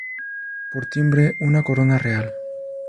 Por timbre, una corona real.